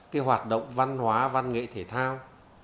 cái hoạt động văn hóa văn nghệ thể thao